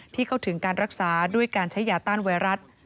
เข้าถึงการรักษาด้วยการใช้ยาต้านไวรัส